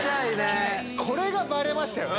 これがバレましたよね